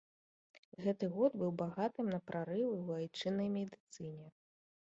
Гэты год быў багатым на прарывы ў айчыннай медыцыне.